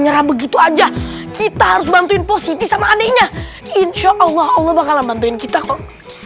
karena begitu aja kita harus bantuin posisi sama adiknya insyaallah allah bakalan bantuin kita kok